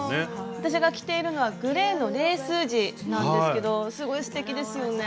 私が着ているのはグレーのレース地なんですけどすごいすてきですよね。